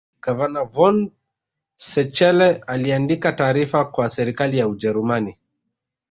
Gavana von Schele aliandika taarifa kwa serikali ya Ujerumani